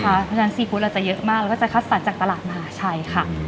เพราะฉะนั้นซีฟู้ดเราจะเยอะมากแล้วก็จะคัดสรรจากตลาดมหาชัยค่ะ